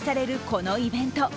このイベント。